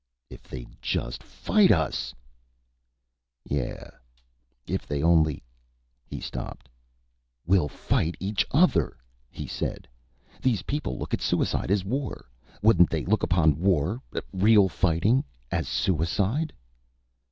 "If they'd just fight us!" "Yeah, if they only " He stopped. "We'll fight each other!" he said. "These people look at suicide as war. Wouldn't they look upon war real fighting as suicide?"